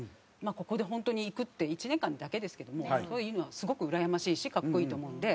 ここで本当に行くって１年間だけですけどもそれ今すごくうらやましいし格好いいと思うんで。